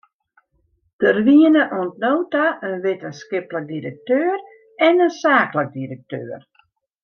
Der wienen oant no ta in wittenskiplik direkteur en in saaklik direkteur.